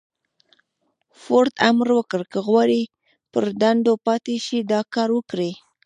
فورډ امر وکړ که غواړئ پر دندو پاتې شئ دا کار وکړئ.